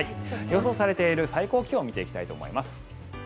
予想されている最高気温を見ていきたいと思います。